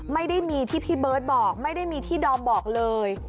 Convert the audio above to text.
ไม่ได้มีที่พี่เบิร์ตบอกไม่ได้มีที่ดอมบอกเลย